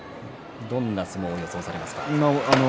どんな相撲を予想されますか。